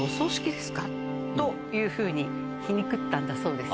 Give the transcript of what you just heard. というふうに皮肉ったんだそうです。